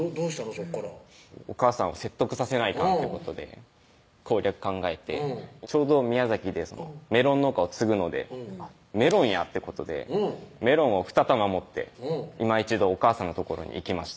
そこからおかあさんを説得させないかんということで攻略考えてちょうど宮崎でメロン農家を継ぐのでメロンやってことでメロンをふた玉持っていま一度おかあさんの所に行きました